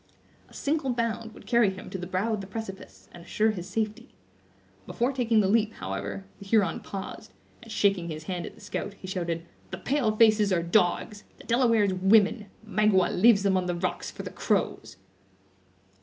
A single bound would carry him to the brow of the precipice, and assure his safety. Before taking the leap, however, the Huron paused, and shaking his hand at the scout, he shouted: "The pale faces are dogs! the Delawares women! Magua leaves them on the rocks, for the crows!"